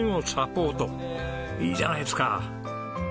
いいじゃないですか。